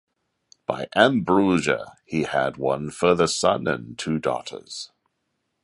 By Ambrosia he had one further son and two daughters.